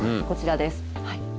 こちらです。